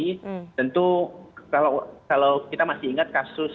jadi tentu kalau kita masih ingat kasus